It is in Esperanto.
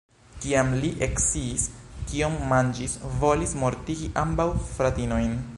Kiam li eksciis kion manĝis, volis mortigi ambaŭ fratinojn.